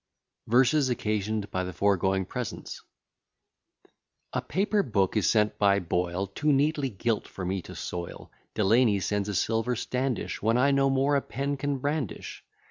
B._] VERSES OCCASIONED BY THE FOREGOING PRESENTS A paper book is sent by Boyle, Too neatly gilt for me to soil. Delany sends a silver standish, When I no more a pen can brandish.